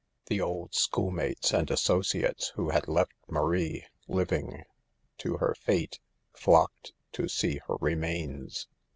The old school mates and associates who had left Marie, living, to her fate, flocked to see her remains.